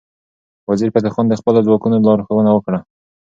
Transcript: وزیرفتح خان د خپلو ځواکونو لارښوونه وکړه.